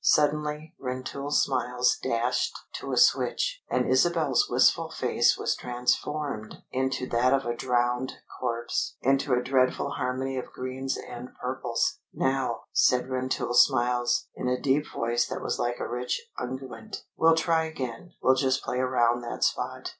Suddenly Rentoul Smiles dashed to a switch, and Isabel's wistful face was transformed into that of a drowned corpse, into a dreadful harmony of greens and purples. "Now," said Rentoul Smiles, in a deep voice that was like a rich unguent. "We'll try again. We'll just play around that spot.